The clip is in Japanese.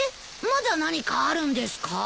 まだ何かあるんですか？